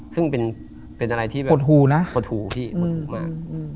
ซึ่งเป็นอะไรที่เป็นปลดหูนะปลดหูพี่ปลดหูมาก